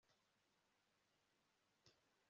n'isahinda mw'irasaniro